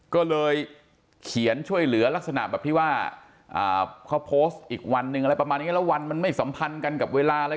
ก็เลยเขียนช่วยเหลือลักษณะแบบที่ว่าเขาโพสต์อีกวันหนึ่งอะไรประมาณอย่างนี้แล้ววันมันไม่สัมพันธ์กันกับเวลาอะไร